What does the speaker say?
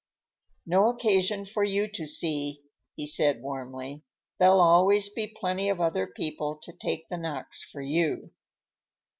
"No occasion for you to see," he said warmly. "There'll always be plenty of other people to take the knocks for you."